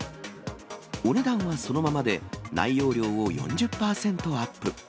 お値段はそのままで、内容量を４０％アップ。